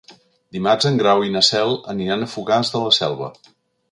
Dimarts en Grau i na Cel aniran a Fogars de la Selva.